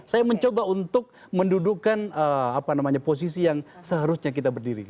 saya mencoba untuk mendudukan posisi yang seharusnya kita berdiri